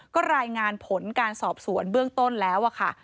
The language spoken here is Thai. ก็รายงานผลการสอบสวนเบื้องต้นแล้วค่ะ